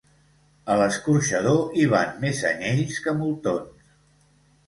A l'escorxador hi van més anyells que moltons.